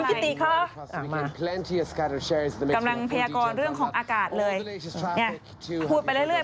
กำลังเพียรกรเรื่องของอากาศเลย